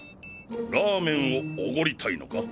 ラーメンをおごりたいのか？